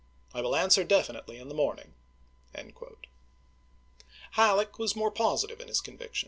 I will answer definitely in the morn pi.!m7,5«). ing." Halleck was more positive in his convictions.